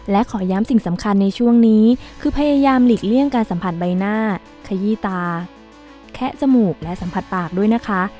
และขอย้ำสิ่งสำคัญในช่วงนี้คือพยายามหลีกเลี่ยงการสัมผัสใบหน้าขยี้ตาแคะจมูกและสัมผัสปากด้วยนะคะ